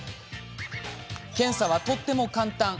検査はとっても簡単。